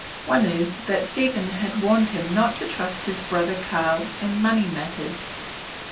One is that Stephen had warned him not to trust his brother Karl in money matters.